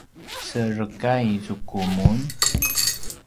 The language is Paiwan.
serekay zuku mun?